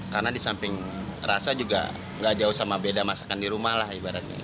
karena di samping rasa juga nggak jauh sama beda masakan di rumah lah ibaratnya